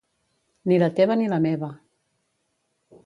Ni la teva ni la meva.